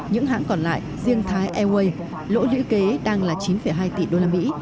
những hãng còn lại riêng thái airways lỗ lũy kế đang là chín hai tỷ đô la mỹ